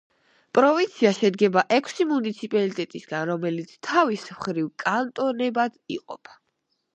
პროვინცია შედგება ექვსი მუნიციპალიტეტისაგან, რომლებიც თავის მხრივ კანტონებად იყოფა.